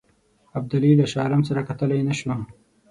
ابدالي له شاه عالم سره کتلای نه شو.